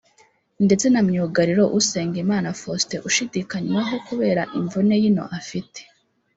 ndetse na myugariro Usengimana Faustin ushidikanywaho kubera imvune y’ino afite